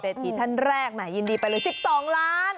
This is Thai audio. เศรษฐีท่านแรกน่ะยินดีไปเลย๑๒ล้าน